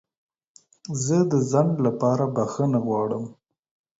زه د ځنډ لپاره بخښنه غواړم.